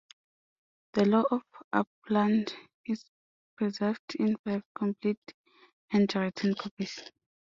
The Law of Uppland is preserved in five complete handwritten copies.